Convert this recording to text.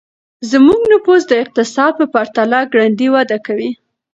زموږ نفوس د اقتصاد په پرتله ګړندی وده کوي.